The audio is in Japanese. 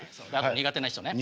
苦手な人。